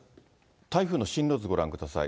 台風の進路図ご覧ください。